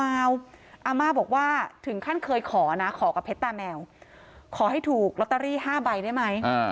อาม่าบอกว่าถึงขั้นเคยขอนะขอกับเพชรตาแมวขอให้ถูกลอตเตอรี่๕ใบได้ไหม